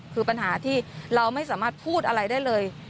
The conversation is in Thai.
คือปัญหาที่เราไม่สามารถพูดอะไรได้เลย